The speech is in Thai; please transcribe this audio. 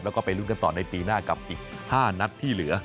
แล้วก็ไปลุ้นกันต่อในปีหน้ากับอีก๕นัดที่เหลือ